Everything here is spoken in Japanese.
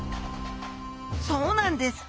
そうなんです！